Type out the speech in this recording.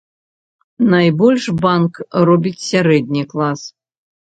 Найбольш банк робіць сярэдні клас.